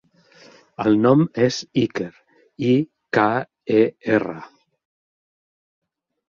El nom és Iker: i, ca, e, erra.